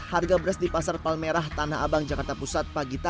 harga beras di pasar palmerah tanah abang jakarta pusat